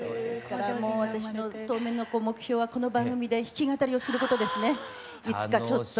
ですから私の当面の目標はこの番組で弾き語りをすることですね。